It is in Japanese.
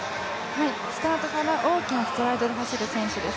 スタートから大きなストライドで走る選手です。